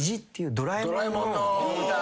『ドラえもん』の歌。